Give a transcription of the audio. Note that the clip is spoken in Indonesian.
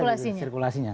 terus saja sirkulasinya